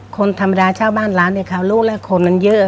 คนธรรมดาเช่าบ้านร้านเนี่ยเขารู้แล้วคนนั้นเยอะ